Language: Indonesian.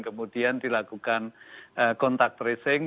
kemudian dilakukan kontak tracing